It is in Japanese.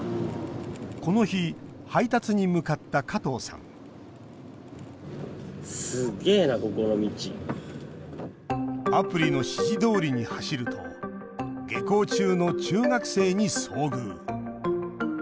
この日配達に向かった加藤さんアプリの指示どおりに走ると下校中の中学生に遭遇。